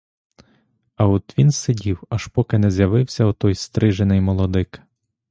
А от він сидів, аж поки не з'явився отой стрижений молодик.